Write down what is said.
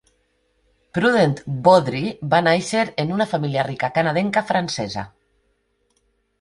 Prudent Beaudry va nàixer en una família rica canadenca francesa.